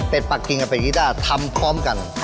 เป็ดปลาร์กิ่งกับเป็ดกิต้าทำคล้อมกัน